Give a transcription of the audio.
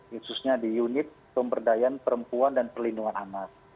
khususnya di unit pemberdayaan perempuan dan perlindungan anak